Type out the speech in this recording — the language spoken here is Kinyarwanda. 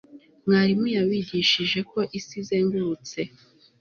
mwarimu yabigishije ko isi izengurutse